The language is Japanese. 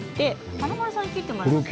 華丸さんに切ってもらいましょう。